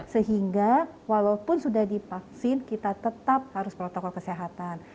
sehingga walaupun sudah divaksin kita tetap harus protokol kesehatan